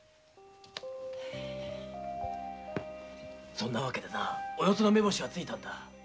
そんな訳でおよその目星はついたんだ。